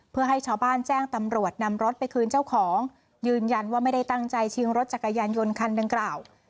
เพื่อให้ชาวบ้านแจ้งตำรวจนำรถไปคืนเจ้าของยืนยันว่าไม่ได้ตั้งใจชิงรถจักรยานยนต์คันดังกล่าว